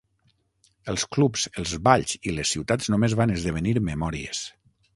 Els clubs, els balls i les ciutats només van esdevenir memòries.